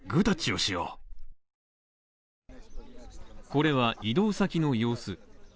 これは移動先の様子。